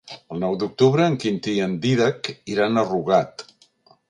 El nou d'octubre en Quintí i en Dídac iran a Rugat.